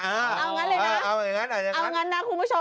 เอางั้นนะคุณผู้ชม